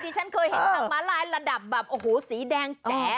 คุณคะชั้นเคยเห็นทางม้าลายระดับสีแดงแจ๋